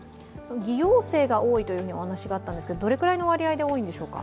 偽陽性が多いというお話があったんですけどどれくらいの割合で多いんでしょうか？